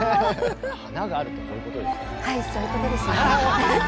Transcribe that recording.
華があるってこういうことですね。